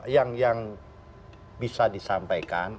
yang bisa disampaikan